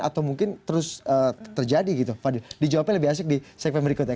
atau mungkin terus terjadi gitu fadil dijawabnya lebih asik di segmen berikutnya